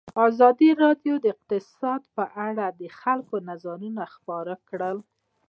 ازادي راډیو د اقتصاد په اړه د خلکو نظرونه خپاره کړي.